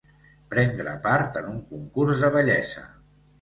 Prendre part en un concurs de bellesa.